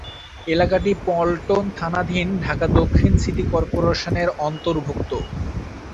এলাকাটি পল্টন থানাধীন ঢাকা দক্ষিণ সিটি কর্পোরেশনের অন্তর্ভুক্ত।